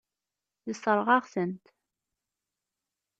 Yessṛeɣ-aɣ-tent.